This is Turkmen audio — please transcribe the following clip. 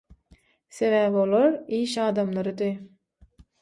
Sebäbi olar iş adamlarydy.